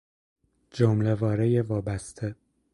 جمله وارهی وابسته